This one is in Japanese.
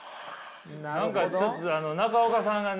何かちょっと中岡さんがね